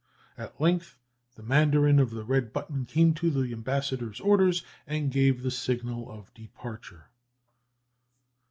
At length the mandarin of the red button came to take the ambassador's orders, and gave the signal of departure.